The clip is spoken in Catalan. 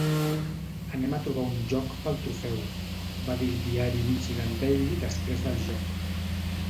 "Anem a trobar un lloc pel trofeu", va dir al diari Michigan Daily després del joc.